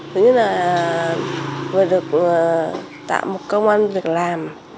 tức như là vừa được tạo một công an việc làm